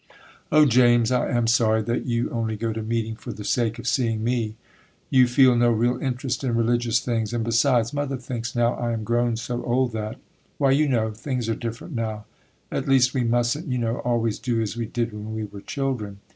'Oh, James, I am sorry that you only go to meeting for the sake of seeing me; you feel no real interest in religious things; and besides, mother thinks now I am grown so old that—Why, you know, things are different now,—at least, we mustn't, you know, always do as we did when we were children.